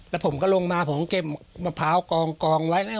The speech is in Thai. แล้วผมก็ลงมาผมเก็บมะพร้าวกองไว้แล้ว